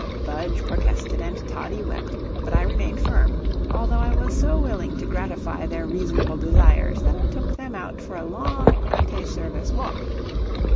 Budge protested and Toddie wept, but I remained firm, although I was so willing to gratify their reasonable desires that I took them out for a long ante service walk.